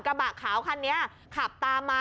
กระบะขาวคันนี้ขับตามมา